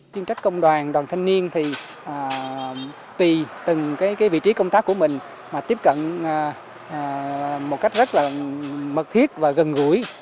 chuyên trách công đoàn đoàn thanh niên thì tùy từng vị trí công tác của mình mà tiếp cận một cách rất là mật thiết và gần gũi